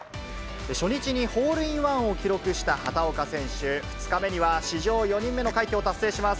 初日にホールインワンを記録した畑岡選手、２日目には史上４人目の快挙を達成します。